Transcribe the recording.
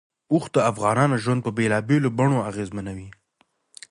اوښ د افغانانو ژوند په بېلابېلو بڼو اغېزمنوي.